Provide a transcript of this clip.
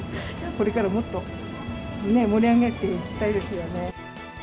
これからもっと盛り上げていきたいですよね。